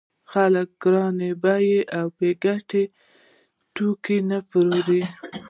خلک ګران بیه او بې ګټې توکي نه پېري